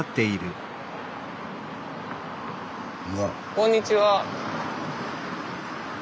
こんにちは。